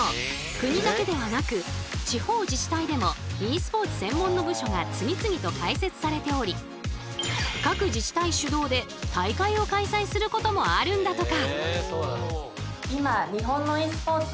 国だけではなく地方自治体でもｅスポーツ専門の部署が次々と開設されており各自治体主導で大会を開催することもあるんだとか。